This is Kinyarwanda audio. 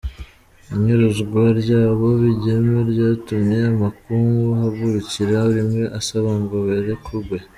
Inyuruzwa ry'abo bigeme ryatumye amakungu ahagurukira rimwe asaba ngo barekugwe.